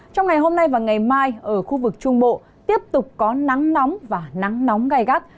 trong ngày hôm nay và ngày mai ở khu vực trung bộ tiếp tục có nắng nóng và nắng nóng gai gắt